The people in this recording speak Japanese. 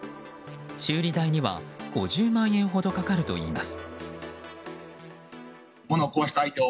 修理代には５０万円ほどかかるといいます。